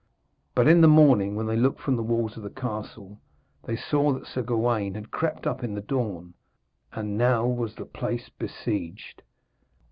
But in the morning, when they looked from the walls of the castle, they saw that Sir Gawaine had crept up in the dawn, and now was the place besieged.